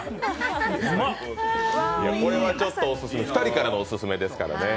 ２人からのオススメですからね。